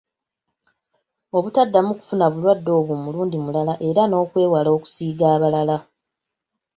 Obutaddamu kufuna bulwadde obwo mulundi mulala era n’okwewala okusiiga abalala.